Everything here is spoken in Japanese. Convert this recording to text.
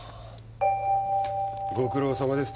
ご苦労さまです